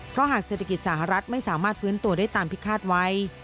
เพราะหากเศรษฐกิจสหรัฐไม่สามารถฟื้นตัวได้ตามที่คาดไว้